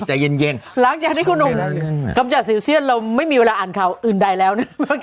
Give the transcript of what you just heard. ใจเย็นหลังจากที่คุณหนุ่มกำจัดสิวเซียนเราไม่มีเวลาอ่านข่าวอื่นใดแล้วนะ